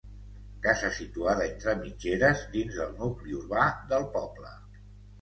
Casa situada entre mitgeres, dins del nucli urbà del poble.